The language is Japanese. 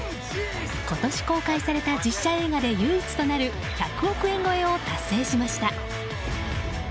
今年、公開された実写映画で唯一となる１００億円超えを達成しました。